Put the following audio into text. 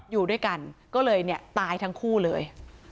อยู่ด้วยกันก็เลยเนี่ยตายทั้งคู่เลย